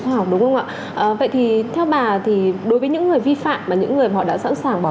khoa học đúng không ạ vậy thì theo bà thì đối với những người vi phạm mà những người họ đã sẵn sàng bỏ